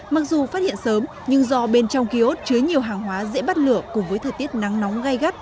mặc dù phát hiện sớm nhưng do bên trong kiosk chứa nhiều hàng hóa dễ bắt lửa cùng với thời tiết nắng nóng gai gắt